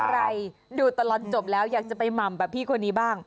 ใครดูตลอดจบแล้วอยากจะไปหม่ำแบบพี่คนนี้บ้าง